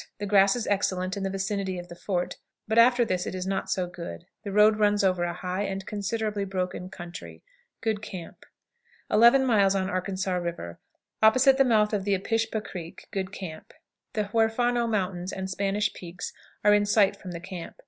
The grass is excellent in the vicinity of the fort, but after this it is not so good. The road runs over a high and considerably broken country. Good camp. 11. Arkansas River. Opposite the mouth of the Apishpa Creek; good camp. The Huerfano Mountains and Spanish Peaks are in sight from the camp.